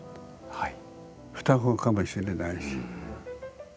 はい。